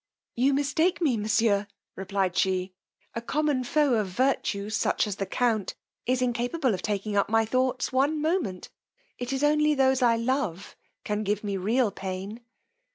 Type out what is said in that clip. You mistake me, monsieur, replied she; a common foe of virtue, such as the count, is incapable of taking up my thoughts one moment; it is only those I love can give me real pain.